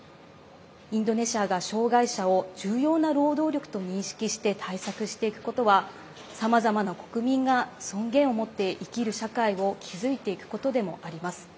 インドネシアが障害者を重要な労働力と認識して対策していくことはさまざまな国民が尊厳を持って生きる社会を築いていくことでもあります。